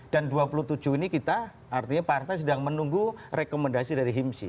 dan dua puluh tujuh ini kita artinya partai sedang menunggu rekomendasi dari himsi